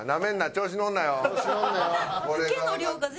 調子乗るなよ。